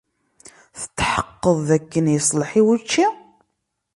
Tetḥeqqed dakken yeṣleḥ i wučči?